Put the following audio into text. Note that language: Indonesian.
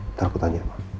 ntar aku tanya ma